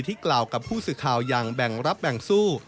ที่กล่าวกับผู้สื่อคราวยังแบ่งรับแบ่งสู้